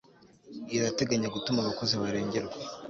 irateganya gutuma abakozi barengerwa